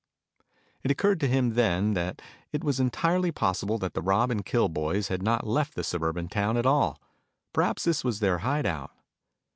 It occurred to him then that it was entirely possible that the rob and kill boys had not left the suburban town at all. Perhaps this was their hideout.